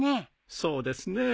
そうですね。